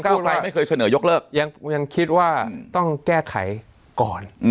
ไกลไม่เคยเสนอยกเลิกยังคิดว่าต้องแก้ไขก่อน